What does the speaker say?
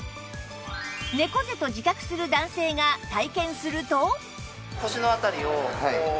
猫背と自覚する男性が体験すると